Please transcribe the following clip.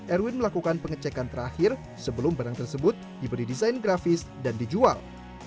erwin melakukan pengecekan terakhir sebelum barang tersebut diberi desain grafis dan dijual